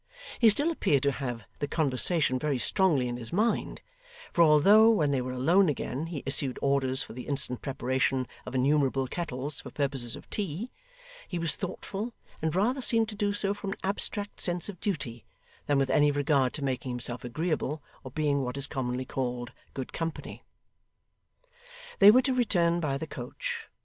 He still appeared to have the conversation very strongly in his mind, for although, when they were alone again, he issued orders for the instant preparation of innumerable kettles for purposes of tea, he was thoughtful, and rather seemed to do so from an abstract sense of duty, than with any regard to making himself agreeable, or being what is commonly called good company. They were to return by the coach.